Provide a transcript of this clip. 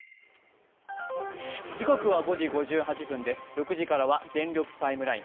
６時からは「全力ＴＩＭＥライン」。